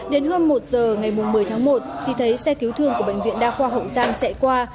đến hơn một giờ ngày một mươi tháng một chị thấy xe cứu thương của bệnh viện đa khoa hậu giang chạy qua